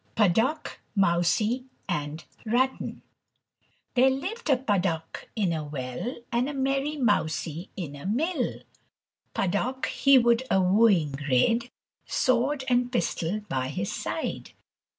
Puddock, Mousie, and Ratton There lived a Puddock in a well, And a merry Mousie in a mill. Puddock he would a wooing rid Sword and pistol by his side.